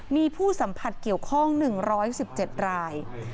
มีผู้สัมผัสเกี่ยวข้อง๑๑๗ราย